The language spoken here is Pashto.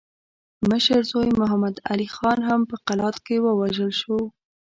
مشر زوی محمد علي خان هم په قلات کې ووژل شو.